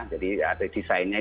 jadi ada desainnya